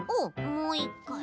もういっかい？